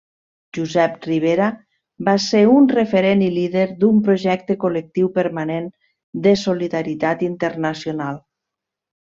Josep Ribera va ser un referent i líder d'un projecte col·lectiu permanent de solidaritat internacional.